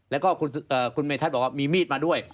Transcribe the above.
แล้วก็คุณเมธัศนบอกว่ามีมีดมาด้วย